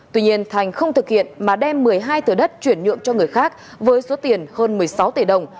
tuy nhiên thành không thực hiện mà đem một mươi hai thửa đất chuyển nhượng cho người khác với số tiền hơn một mươi sáu tỷ đồng